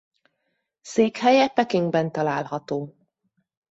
Székhelye Pekingben található.